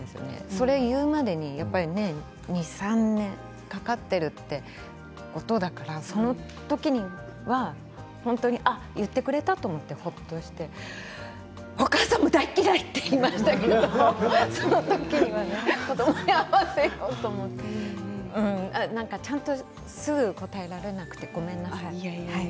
それを言うまでに２、３年かかっているってことだから、その時には本当に言ってくれたと思ってほっとしてお母さんも大嫌い！と言いましたけれどその時はね子どもに合わせようと思ってすぐ答えられなくてごめんなさい。